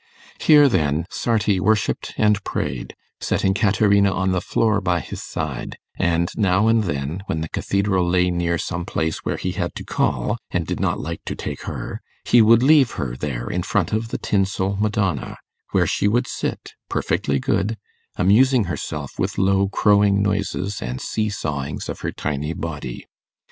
Here, then, Sarti worshipped and prayed, setting Caterina on the floor by his side; and now and then, when the cathedral lay near some place where he had to call, and did not like to take her, he would leave her there in front of the tinsel Madonna, where she would sit, perfectly good, amusing herself with low crowing noises and see sawings of her tiny body.